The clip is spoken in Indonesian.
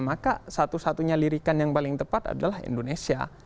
maka satu satunya lirikan yang paling tepat adalah indonesia